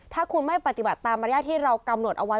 ถ้าคุณไม่ปฏิบัติตามมารยาทที่เรากำหนดเอาไว้